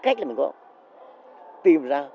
cái cách là mình có tìm ra